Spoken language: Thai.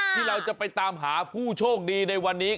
ที่เราจะไปตามหาผู้โชคดีในวันนี้